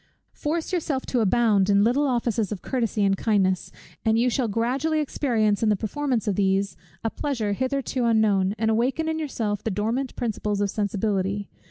Force yourself to abound in little offices of courtesy and kindness; and you shall gradually experience in the performance of these a pleasure hitherto unknown, and awaken in yourself the dormant principles of sensibility.